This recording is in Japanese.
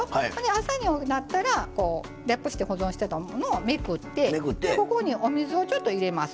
朝になったらラップして保存してたものをめくってここにお水をちょっと入れます。